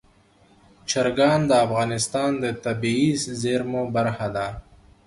چرګان د افغانستان د طبیعي زیرمو برخه ده.